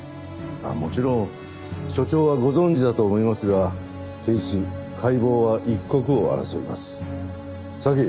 もちろん署長はご存じだと思いますが検視解剖は一刻を争います。